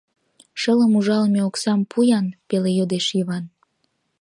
— Шылым ужалыме оксам пу-ян! — пеле йодеш Йыван.